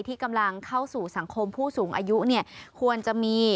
ที่กำลังเข้าสู่สังคมผู้สูงอายุเนี่ยควรจะมี